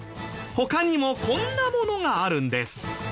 他にもこんなものがあるんです。